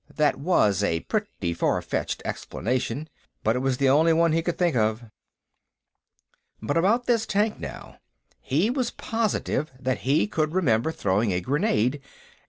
That was a pretty far fetched explanation, but it was the only one he could think of. But about this tank, now. He was positive that he could remember throwing a grenade....